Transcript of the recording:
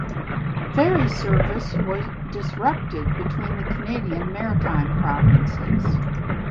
Ferry service was disrupted between the Canadian Maritime provinces.